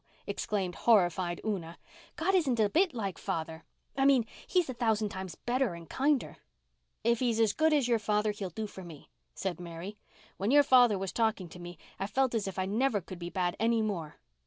exclaimed horrified Una. "God isn't a bit like father—I mean He's a thousand times better and kinder." "If He's as good as your father He'll do for me," said Mary. "When your father was talking to me I felt as if I never could be bad any more."